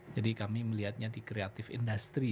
jadi kami melihatnya di creative industry